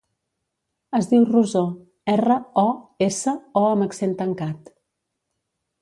Es diu Rosó: erra, o, essa, o amb accent tancat.